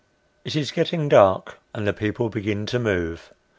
It is getting dark, and the people begin to move.